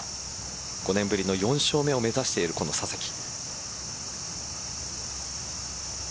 ５年ぶりの４勝目を目指しているこのささき。